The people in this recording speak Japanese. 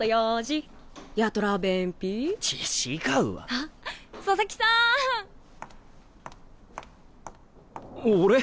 あっ佐々木さん！俺？